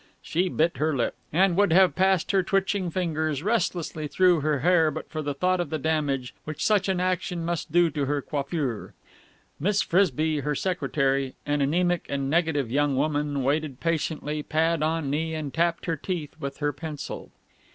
She bit her lip, and would have passed her twitching fingers restlessly through her hair but for the thought of the damage which such an action must do to her coiffure. Miss Frisby, her secretary, an anæmic and negative young woman, waited patiently, pad on knee, and tapped her teeth with her pencil.